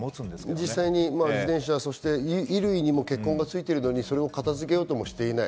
実際にバイクや衣類に血痕がついてるのに片付けようともしていない。